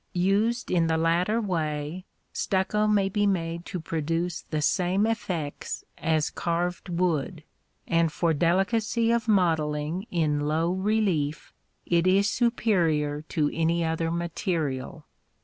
Used in the latter way, stucco may be made to produce the same effects as carved wood, and for delicacy of modelling in low relief it is superior to any other material.